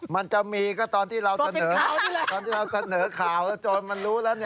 มันจะมีก็ตอนที่เราเสนอ